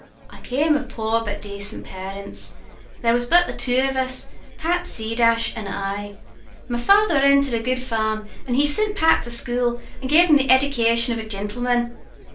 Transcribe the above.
"I came of poor but dacent parints. There was but the two of us, Pat C and I. My father rinted a good farm, and he sint Pat to school, and gave him the eddication of a jintleman.